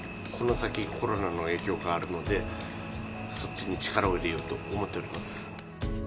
この先、コロナの影響があるので、そっちに力を入れようと思っております。